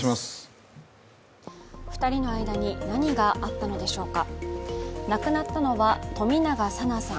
２人の間に何があったのでしょうか。